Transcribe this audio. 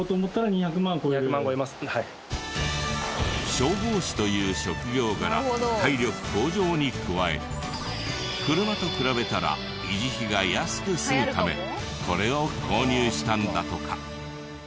消防士という職業柄体力向上に加え車と比べたら維持費が安く済むためこれを購入したんだとか。